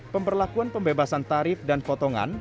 pemberlakuan pembebasan tarif dan potongan